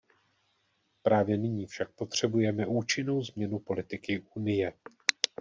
Právě nyní však potřebujeme účinnou změnu politiky Unie.